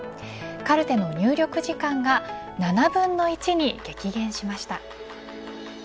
カルテの入力時間が７分の１に激減しました。